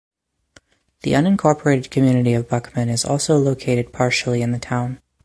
The unincorporated community of Buckman is also located partially in the town.